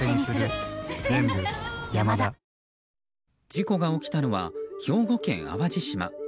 事故が起きたのは兵庫県淡路島。